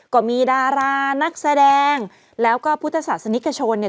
ก็มีดารานักแสดงแล้วก็พุทธศาสนิกชนเนี่ย